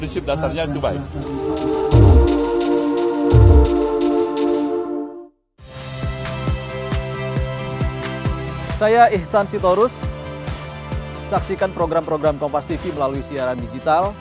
saya sansi torus saksikan program program kompastv melalui siaran digital